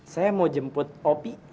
saya mau jemput opi